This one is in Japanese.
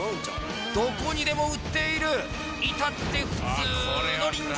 どこにでも売っている至って普通のりんご